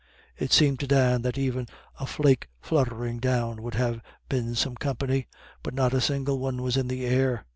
It seemed to Dan that even a flake fluttering down would have been some company, but not a single one was in the air.